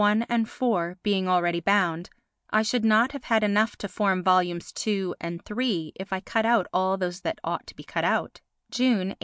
I and IV being already bound, I should not have enough to form Vols. II and III if I cut out all those that ought to be cut out. [June, 1898.